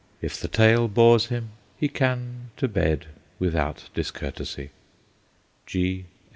If the tale bores him, he can to bed without discourtesy. G.